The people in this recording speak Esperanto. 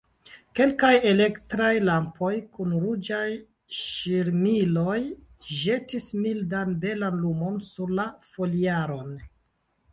Kelkaj elektraj lampoj kun ruĝaj ŝirmiloj ĵetis mildan, belan lumon sur la foliaron.